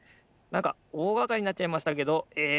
なんかおおがかりになっちゃいましたけどえ